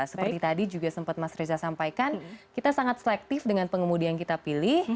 seperti tadi juga sempat mas reza sampaikan kita sangat selektif dengan pengemudi yang kita pilih